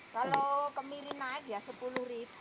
kalau kemiri naik ya sepuluh ribu